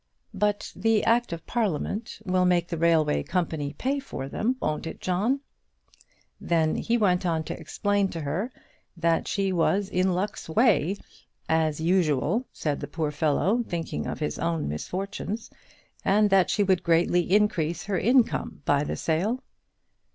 "But the Act of Parliament will make the railway company pay for them, won't it, John?" Then he went on to explain to her that she was in luck's way, "as usual," said the poor fellow, thinking of his own misfortunes, and that she would greatly increase her income by the sale.